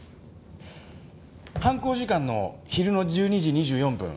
犯行時間の昼の１２時２４分。